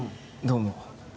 どうも。